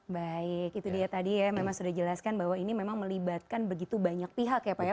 baik itu dia tadi ya memang sudah dijelaskan bahwa ini memang melibatkan begitu banyak pihak ya pak ya